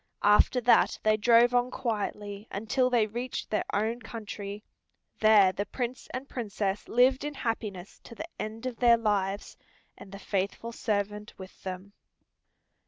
After that they drove on quietly until they reached their own country. There the Prince and Princess lived in happiness to the end of their lives, and the faithful servant with them.